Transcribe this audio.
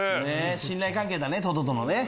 信頼関係だねトドとのね。